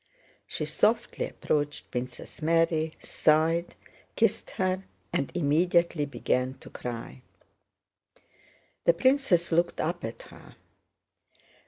She softly approached Princess Mary, sighed, kissed her, and immediately began to cry. The princess looked up at her.